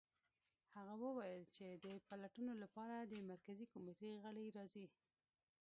هغه وویل چې د پلټنو لپاره د مرکزي کمېټې غړي راځي